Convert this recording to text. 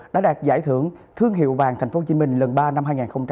đã đạt giải thưởng thương hiệu vàng tp hcm lần ba năm hai nghìn hai mươi